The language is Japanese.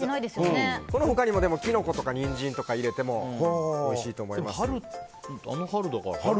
この他にキノコとかニンジン入れてもおいしいと思います。